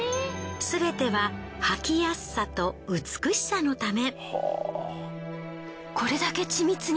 すべては履きやすさと美しさのため。